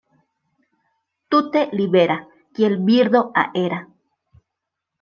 Tute libera, kiel birdo aera.